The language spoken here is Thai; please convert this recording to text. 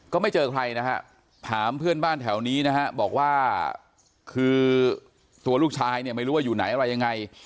ก็ไม่เจอใครนะฮะถามเพื่อนบ้านแถวนี้นะฮะบอกว่าคือตัวลูกชายเนี่ยไม่รู้ว่าอยู่ไหนอะไรยังไง